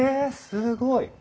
すごい。